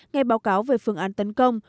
nghe báo cáo về phương án tấn công